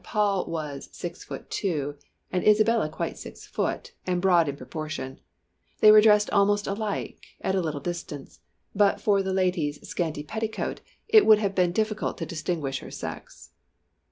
Paul was six foot two, and Isabella quite six foot, and broad in proportion. They were dressed almost alike, and at a little distance, but for the lady's scanty petticoat, it would have been difficult to distinguish her sex.